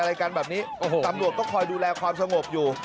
ในการแบบนี้ตำรวจก็คอยดูแลความสงบอยู่